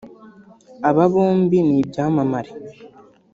Aba bombi ni ibyamamare